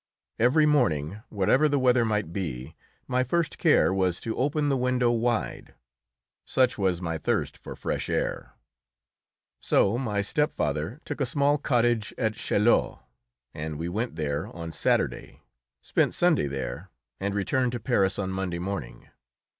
Every morning, whatever the weather might be, my first care was to open the window wide, such was my thirst for fresh air. So my stepfather took a small cottage at Chaillot, and we went there on Saturday, spent Sunday there, and returned to Paris on Monday morning.